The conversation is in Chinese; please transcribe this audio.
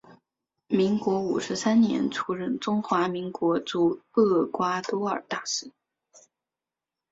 民国五十三年出任中华民国驻厄瓜多尔大使。